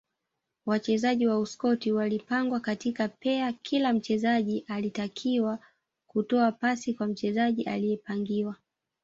Wachezaji wa Uskoti walipangwa katika pea kila mchezaji alitakiwa kutoa pasi kwa mchezaji aliyepangiwa